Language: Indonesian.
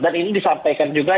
dan ini disampaikan juga